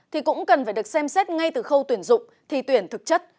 thì cũng cần phải được xem xét ngay từ khâu tuyển dụng thi tuyển thực chất